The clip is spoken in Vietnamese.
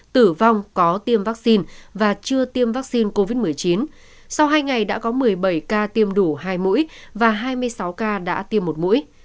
tử vong có tiêm vaccine và chưa tiêm vaccine covid một mươi chín sau hai ngày đã có một mươi bảy ca tiêm đủ hai mũi và hai mươi sáu ca đã tiêm một mũi